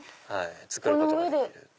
作ることができる。